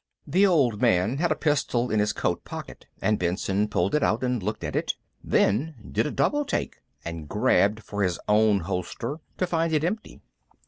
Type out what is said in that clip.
The old man had a pistol in his coat pocket, and Benson pulled it out and looked at it, then did a double take and grabbed for his own holster, to find it empty.